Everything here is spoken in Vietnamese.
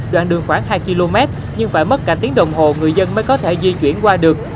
đoạn đường khoảng hai km nhưng phải mất cả tiếng đồng hồ người dân mới có thể di chuyển qua được